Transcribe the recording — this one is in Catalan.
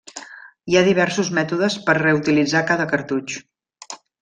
Hi ha diversos mètodes per reutilitzar cada cartutx.